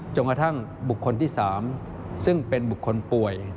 กระทั่งบุคคลที่๓ซึ่งเป็นบุคคลป่วย